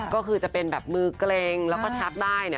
ก็คือจะเป็นแบบมือเกร็งแล้วก็ชักได้